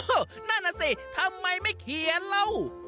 นั่นน่ะสิทำไมไม่เขียนเล่า